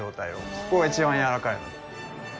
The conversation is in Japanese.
そこが一番やわらかい。